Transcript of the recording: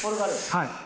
はい。